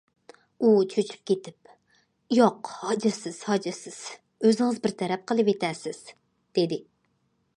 ئۇ چۆچۈپ كېتىپ:« ياق، ھاجەتسىز، ھاجەتسىز ئۆزىڭىز بىر تەرەپ قىلىۋېتەرسىز» دېدى.